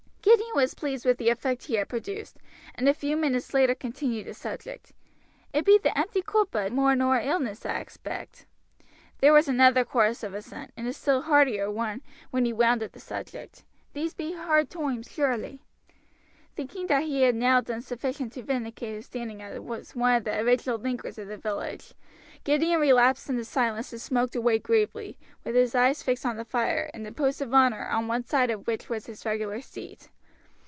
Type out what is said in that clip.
Gideon was pleased with the effect he had produced, and a few minutes later continued the subject. "It be the empty coopbud more nor illness, I expect." There was another chorus of assent, and a still heartier one when he wound up the subject: "These be hard toimes surely." Thinking that he had now done sufficient to vindicate his standing as one of the original thinkers of the village, Gideon relapsed into silence and smoked away gravely, with his eyes fixed on the fire, in the post of honor on one side of which was his regular seat.